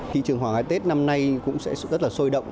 thị trường hoàng cái tết năm nay cũng sẽ rất là sôi động